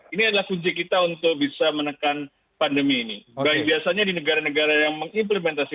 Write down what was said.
ini adalah kunci kita untuk bisa menekan pandemi ini baik biasanya di negara negara yang mengimplementasi